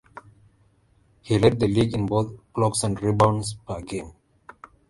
He led the league in both blocks and rebounds per game.